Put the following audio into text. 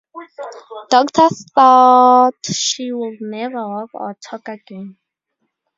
Doctors thought she would never walk or talk again.